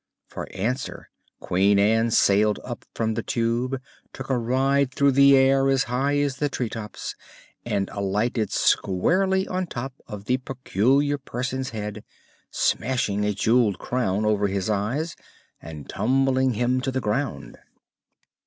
For answer, Queen Ann sailed up from the Tube, took a ride through the air as high as the treetops, and alighted squarely on top of the Peculiar Person's head, smashing a jeweled crown over his eyes and tumbling him to the ground.